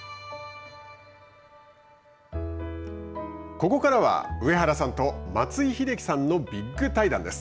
ここからは上原さんと松井秀喜さんのビッグ対談です。